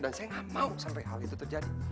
dan saya nggak mau sampai hal itu terjadi